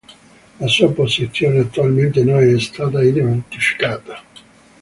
La sua posizione attualmente non è stata identificata.